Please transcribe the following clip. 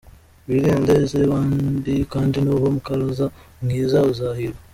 Wirinde izabandi kandi nuba umukaraza mwiza uzahirwa.